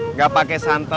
nggak pakai santan